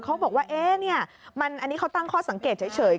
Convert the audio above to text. เขาบอกว่าอันนี้เขาตั้งข้อสังเกตเฉย